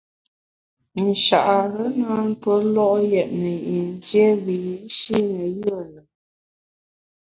Nchare na ntue lo’ yètne yin dié wiyi’shi ne yùe lùm.